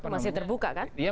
masih terbuka kan